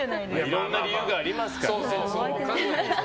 いろんな理由がありますから。